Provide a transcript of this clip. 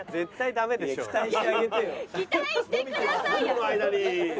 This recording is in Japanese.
この間に。